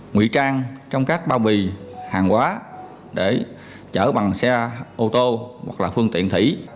nguy trang trong các bao bì hàng hóa để chở bằng xe ô tô hoặc là phương tiện thủy